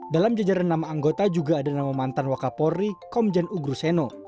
dalam jajaran nama anggota juga ada nama mantan wakapori komjen ugruseno